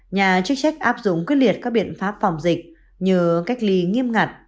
nhà chức trách áp dụng quyết liệt các biện pháp phòng dịch như cách ly nghiêm ngặt